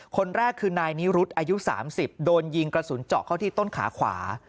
คนแรกคือนายนิรุธอายุ๓๐โดนยิงกระสุนเจาะเข้าที่ต้นขาขวา